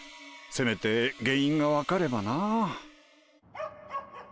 せめて原因が分かればな。